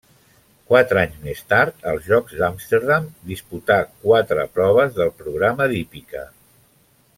Quatre anys més tard, als Jocs Amsterdam, disputà quatre proves del programa d'hípica.